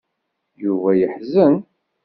Yuba yeḥzen.